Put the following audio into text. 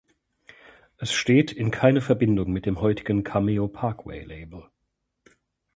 Es steht in keine Verbindung mit dem heutigen "Cameo-Parkway-Label".